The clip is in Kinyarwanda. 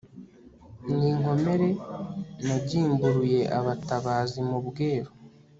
ninkomere nagimbuliye abatabazi mu Bweru